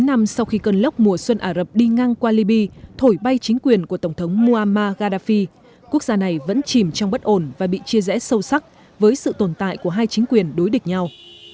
sáu mươi năm sau khi cơn lốc mùa xuân ả rập đi ngang qua libya thổi bay chính quyền của tổng thống muama gadafi quốc gia này vẫn chìm trong bất ổn và bị chia rẽ sâu sắc với sự tồn tại của hai chính quyền đối địch nhau